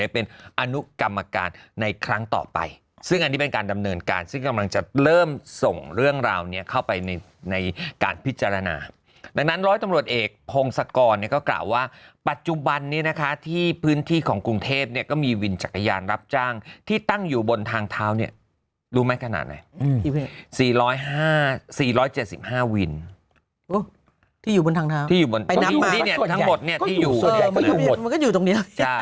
เป็นอนุกรรมการในครั้งต่อไปซึ่งอันนี้เป็นการดำเนินการซึ่งกำลังจะเริ่มส่งเรื่องราวนี้เข้าไปในในการพิจารณาดังนั้นร้อยตำรวจเอกพงศกรเนี่ยก็กล่าวว่าปัจจุบันนี้นะคะที่พื้นที่ของกรุงเทพเนี่ยก็มีวินจักรยานรับจ้างที่ตั้งอยู่บนทางเท้าเนี่ยรู้ไหมขนาดไหนที่อยู่บนทางเท้าที่อยู่บนนี้เนี่ยทั้งหมดเนี่ยที่อยู่ส่วนใหญ่